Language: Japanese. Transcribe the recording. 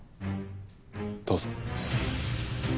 どうぞ。